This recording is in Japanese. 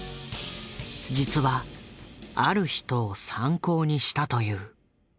実はある人を参考にしたという。